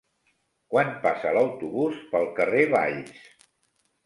Quan passa l'autobús pel carrer Valls?